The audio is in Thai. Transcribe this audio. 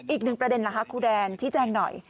อีกหนึ่งประเด็นล่ะคะครูแดนชี้แจงหน่อย